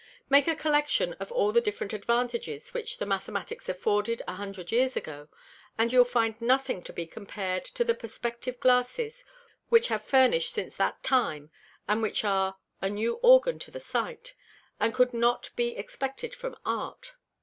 Make a Collection of all the different Advantages which the Mathematicks afforded a Hundred Years ago, and you'll find nothing to be compar'd to the Perspective Glasses they have furnish'd since that time, and which are a new Organ to the Sight, and cou'd not be expected from Art.